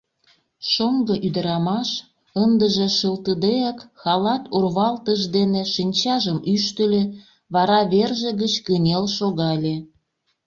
Шоҥго ӱдырамаш, ындыже шылтыдеак, халат урвалтыж дене шинчажым ӱштыльӧ, вара верже гыч кынел шогале.